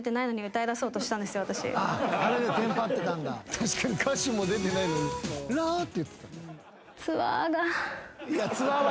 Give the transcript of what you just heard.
確かに歌詞も出てないのに「ロー」って。